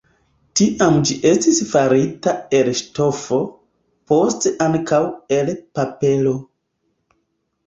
Tiam ĝi estis farita el ŝtofo, poste ankaŭ el papero.